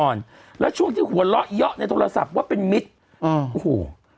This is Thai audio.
แล้วช่วงที่หัวเราะเยอะในโทรศัพท์ว่าเป็นมิตรอ่าโอ้โห